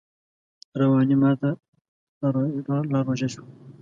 رواني ماته لا ژوره شوه